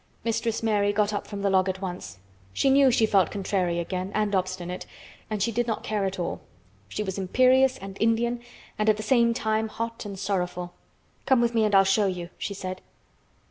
Mistress Mary got up from the log at once. She knew she felt contrary again, and obstinate, and she did not care at all. She was imperious and Indian, and at the same time hot and sorrowful. "Come with me and I'll show you," she said.